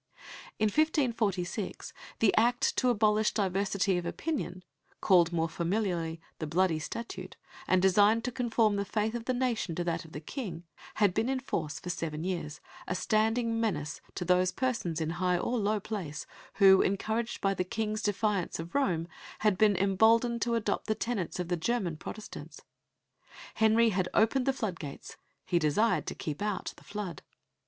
In 1546 the "Act to abolish Diversity of Opinion" called more familiarly the Bloody Statute, and designed to conform the faith of the nation to that of the King had been in force for seven years, a standing menace to those persons, in high or low place, who, encouraged by the King's defiance of Rome, had been emboldened to adopt the tenets of the German Protestants. Henry had opened the floodgates; he desired to keep out the flood.